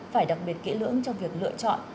phải đặc biệt kỹ lưỡng trong việc lựa chọn